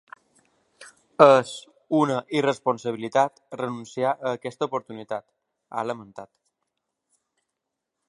És una irresponsabilitat renunciar a aquesta oportunitat, ha lamentat.